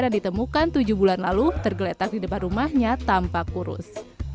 yang ditemukan tujuh bulan lalu tergeletak di depan rumahnya tanpa kurus